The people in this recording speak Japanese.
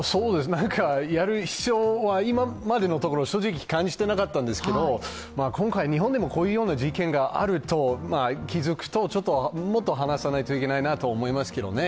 やる必要は今までのところ正直、感じてなかったんですけど今回、日本でもこういう事件があるということに気づくともっと話さないといけないなと思いますけどね。